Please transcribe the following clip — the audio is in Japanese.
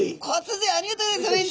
ありがとうございます。